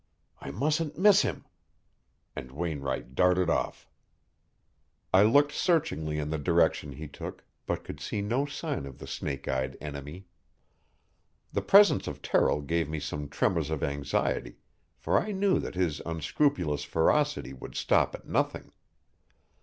I mustn't miss him." And Wainwright darted off. I looked searchingly in the direction he took, but could see no sign of the snake eyed enemy. The presence of Terrill gave me some tremors of anxiety, for I knew that his unscrupulous ferocity would stop at nothing.